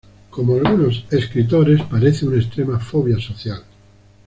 Como algunos escritores, padece una extrema fobia social.